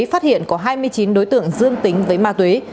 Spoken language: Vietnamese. phát hiện có hai mươi chín đối tượng dương tính với ma túy